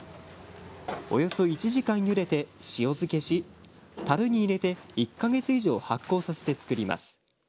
およそ１時間ゆでて塩漬けしたるに入れて１か月以上、発酵させて作ります。